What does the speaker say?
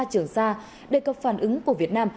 trường sa đề cập phản ứng của việt nam